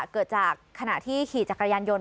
เกิดจากขณะที่ขี่จักรยานยนต